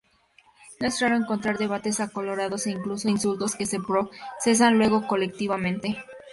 No es raro encontrar debates acalorados, o incluso insultos, que se procesan luego colectivamente.